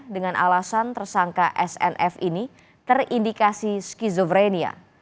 dengan alasan tersangka snf ini terindikasi skizofrenia